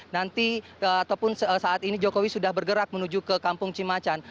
nanti ataupun saat ini jokowi sudah bergerak menuju ke kampung cimacan